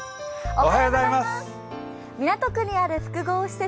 港区にある複合施設